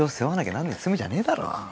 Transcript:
なんねえ罪じゃねえだろ